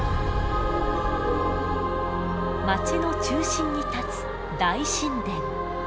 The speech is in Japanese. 街の中心に立つ大神殿。